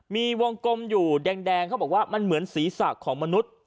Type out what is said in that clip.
มีวงกลมอยู่แดงเขาบอกว่ามันเหมือนศีรษะของมนุษย์